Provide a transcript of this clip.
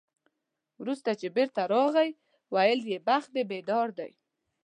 وروسته چې بېرته راغی، ویل یې بخت دې بیدار دی.